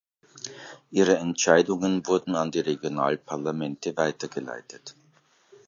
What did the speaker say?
Ihre Entscheidungen wurden an die Regionalparlamente weitergeleitet.